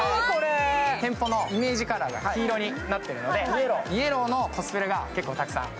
店舗のイメージカラーが黄色になっているのでイエローのコスプレが結構たくさん。